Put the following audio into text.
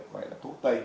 gọi là thuốc tây